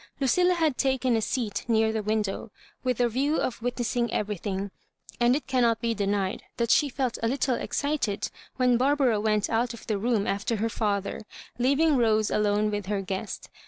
Lucilla had taken a seat near the window, with the view of witnessing everything^ and it cannot be denied that she felt a Uttle excited when Barbara went out of the room after her fieither, leaving Jlose alone with her guest.